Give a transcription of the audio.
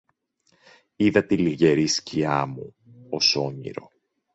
είδα τη λυγερή σκιά μου, ως όνειρο